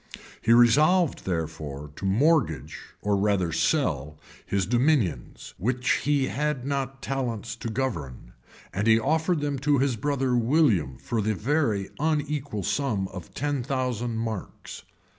He resolved, therefore, to mortgage, or rather to sell, his dominions, which he had not talents to govern; and he offered them to his brother William for the very unequal sum of ten thousand marks.